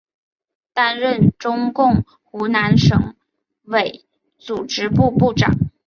担任中共湖南省委组织部部长。